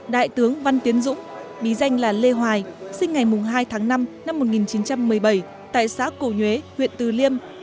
đại tướng văn tiến dũng bí danh là lê hoài sinh ngày hai tháng năm năm một nghìn chín trăm một mươi bảy tại xã cổ nhuế huyện từ liêm